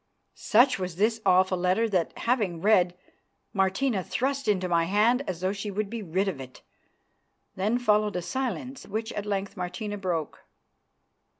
'" Such was this awful letter that, having read, Martina thrust into my hand as though she would be rid of it. Then followed a silence, which at length Martina broke.